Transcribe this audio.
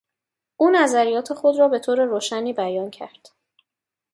او نظریات خود را به طور روشنی بیان کرد.